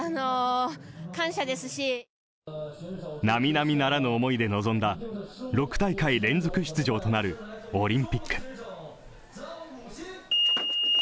並々ならぬ思いで臨んだ６大会連続となるオリンピック。